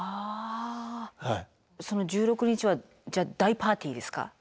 その１６日は大パーティーですか？